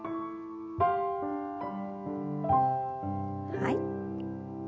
はい。